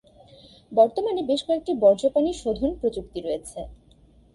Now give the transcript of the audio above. বর্তমানে বেশ কয়েকটি বর্জ্য পানি শোধন প্রযুক্তি রয়েছে।